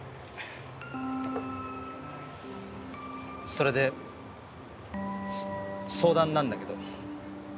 それでそ相談なんだけど。